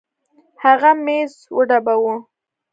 هغه ميز وډباوه.